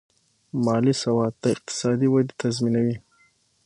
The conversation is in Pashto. مالي سواد د اقتصادي ودې تضمینوي.